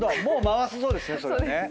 もう回すぞですね